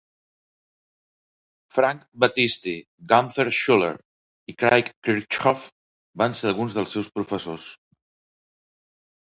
Frank Battisti, Gunther Schuller i Craig Kirchhoff van ser alguns dels seus professors.